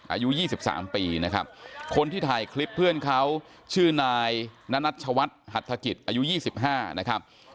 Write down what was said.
อายุ๒๓ปีนะครับคนที่ถ่ายคลิปเพื่อนเขาชื่อนายนัชวัฒน์หัฐกิจอายุ๒๕นะครับ